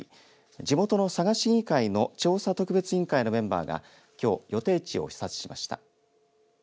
地元の佐賀市議会の調査特別委員会のメンバーがきょう予定地を視察しました。